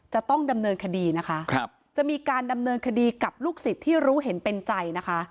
จะต้องดำเนินคดีนะคะจะมีการดำเนินคดีกับลูกศิษย์ที่รู้เห็นเป็นใจนะคะ